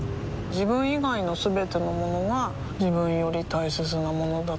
自分以外のすべてのものが自分より大切なものだと思いたい